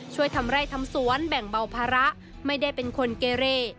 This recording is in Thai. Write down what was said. ทำไร่ทำสวนแบ่งเบาภาระไม่ได้เป็นคนเกเร